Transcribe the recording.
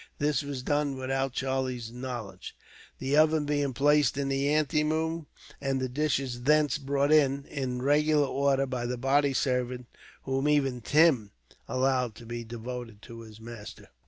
This was done without Charlie's knowledge, the oven being placed in the anteroom, and the dishes thence brought in, in regular order, by the body servant, whom even Tim allowed to be devoted to his master.